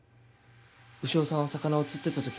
潮さんは魚を釣ってた時。